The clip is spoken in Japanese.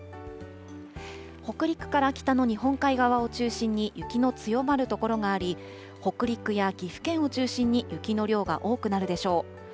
北陸から北の日本海側を中心に雪の強まる所があり、北陸や岐阜県を中心に雪の量が多くなるでしょう。